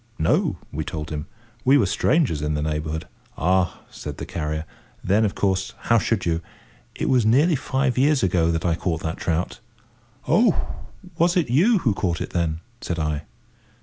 "No," we told him. We were strangers in the neighbourhood. "Ah!" said the carrier, "then, of course, how should you? It was nearly five years ago that I caught that trout." "Oh! was it you who caught it, then?" said I.